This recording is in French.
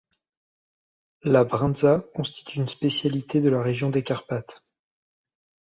La bryndza constitue une spécialité de la région des Carpathes.